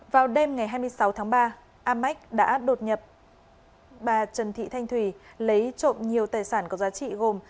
vào đêm ngày hai mươi sáu tháng ba amec đã đột nhập bà trần thị thanh thùy lấy trộm nhiều tài sản có giá trị gồm